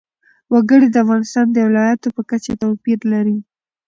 وګړي د افغانستان د ولایاتو په کچه توپیر لري.